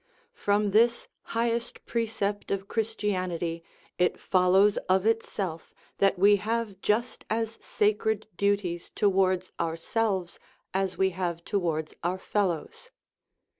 From this highest precept of Christianity it follows of itself that we have just as sacred duties tow ards ourselves as we have towards our fellows.